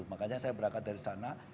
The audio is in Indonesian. makanya saya berangkat dari sana